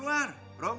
ayo keluar rum